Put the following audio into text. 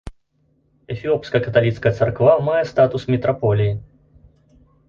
Эфіопская каталіцкая царква мае статус мітраполіі.